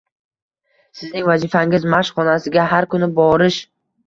Sizning vazifangiz mashq xonasiga har kuni boorish